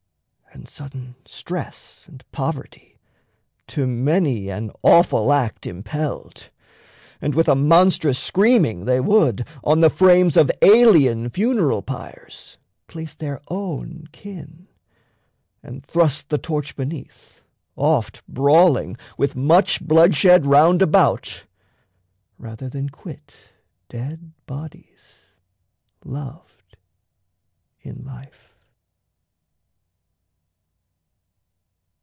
And sudden stress And poverty to many an awful act Impelled; and with a monstrous screaming they Would, on the frames of alien funeral pyres, Place their own kin, and thrust the torch beneath Oft brawling with much bloodshed round about Rather than quit dead bodies loved in life.